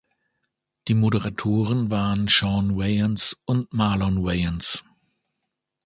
Die Moderatoren waren Shawn Wayans und Marlon Wayans.